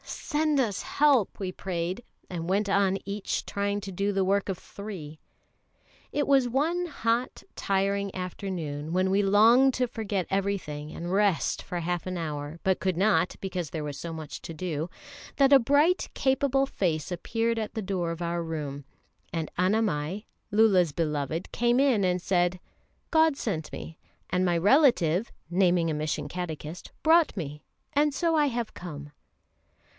"Send us help!" we prayed, and went on each trying to do the work of three. It was one hot, tiring afternoon, when we longed to forget everything and rest for half an hour, but could not, because there was so much to do, that a bright, capable face appeared at the door of our room, and Annamai, Lulla's beloved, came in and said: "God sent me, and my relative" (naming a mission catechist) "brought me. And so I have come!"